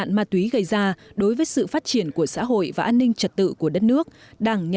nước ngoài và nước ta